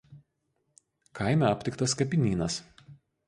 Kaime aptiktas kapinynas.